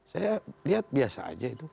saya lihat biasa aja itu